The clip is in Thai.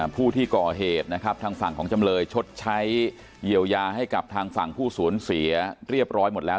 ผู้ที่ก่อเหตุนะครับทางฝั่งของจำเลยชดใช้เยียวยาให้กับทางฝั่งผู้สูญเสียเรียบร้อยหมดแล้ว